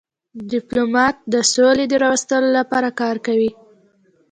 ډيپلومات د سولي د راوستلو لپاره کار کوي.